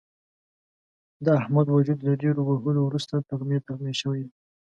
د احمد وجود له ډېرو وهلو ورسته تغمې تغمې شوی دی.